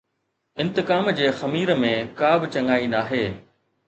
انتقام جي خمير ۾ ڪا به چڱائي ناهي.